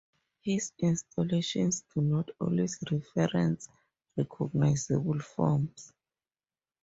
His installations do not always reference recognizable forms.